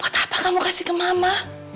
buat apa kamu kasih ke mama